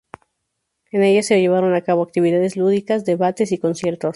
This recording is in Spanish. En ella se llevaron a cabo actividades lúdicas, debates y conciertos.